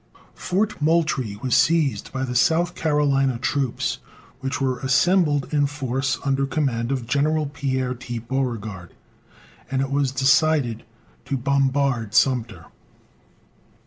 Fort Moultrie was seized by the South Carolina troops, which were assembled in force under command of General Pierre T. Beauregard, and it was decided to bombard Sumter.